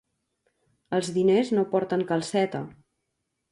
Els diners no porten calceta.